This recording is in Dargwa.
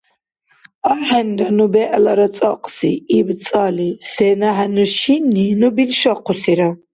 — АхӀенра ну бегӀлара цӀакьси, — иб цӀали, — сенахӀенну шинни ну билшахъусира!